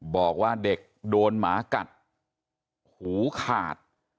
บอกว่าเด็กโดนหมากัดหูขาด